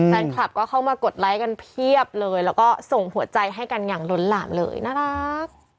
แฟนคลับก็เข้ามากดไลค์กันเพียบเลยแล้วก็ส่งหัวใจให้กันอย่างล้นหลามเลยน่ารัก